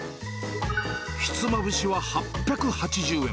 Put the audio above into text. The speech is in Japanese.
ひつまぶしは８８０円。